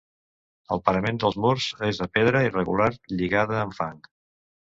El parament dels murs és de pedra irregular lligada amb fang.